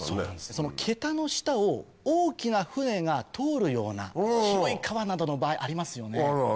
その桁の下を大きな船が通るような広い川などの場合ありますよね。